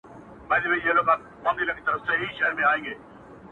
څښل مو تويول مو شرابونه د جلال ـ